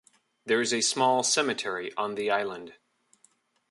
There is a small cemetery on the island.